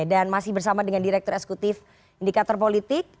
dan masih bersama dengan direktur eksekutif indikator politik